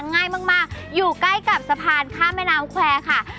ง่ายมากอยู่ใกล้กับสะพานข้ามแม่น้ำแควร์ค่ะ